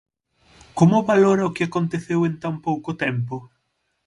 Como valora o que aconteceu en tan pouco tempo?